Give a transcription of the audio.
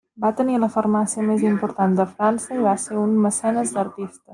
Va tenir la farmàcia més important de França i va ser un mecenes d'artistes.